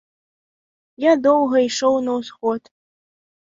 Я доўга ішоў на ўсход.